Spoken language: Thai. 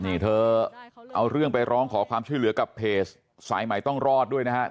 นี่เธอเอาเรื่องไปร้องขอความช่วยเหลือกับเพจสายใหม่ต้องรอดด้วยนะฮะ